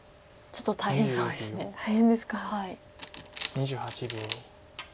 ２８秒。